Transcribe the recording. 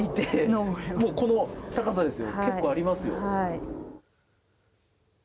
この高さですよ、結構ありますよ。